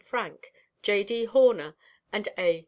Frank, J. D. Horner and A.